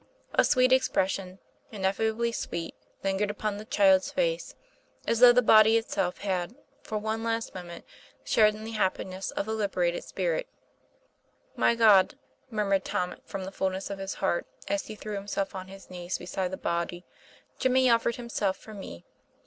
A sweet expression, ineffably sweet, lingered upon the child's face, as though the body itself had, for one last moment, shared in the happiness of the liberated spirit. 'My God," murmured Tom from the fulness of his heart, as he threw himself on his knees beside the body, "Jimmy offered himself for me.